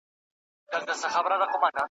چي غلیم یې هم د سر هم د ټبر وي ,